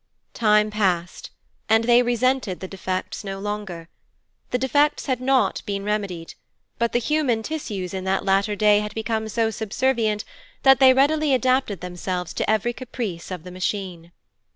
Time passed, and they resented the defects no longer. The defects had not been remedied, but the human tissues in that latter day had become so subservient, that they readily adapted themselves to every caprice of the Machine.